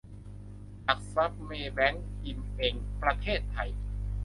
หลักทรัพย์ เมย์แบงก์ กิมเอ็ง ประเทศไทย